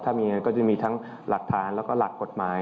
ถ้ามีก็จะมีทั้งหลักฐานแล้วก็หลักกฎหมาย